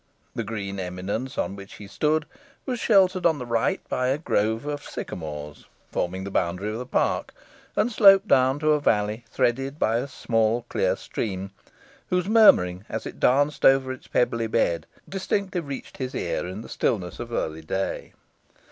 The green eminence on which he stood was sheltered on the right by a grove of sycamores, forming the boundary of the park, and sloped down into a valley threaded by a small clear stream, whose murmuring, as it danced over its pebbly bed, distinctly reached his ear in the stillness of early day.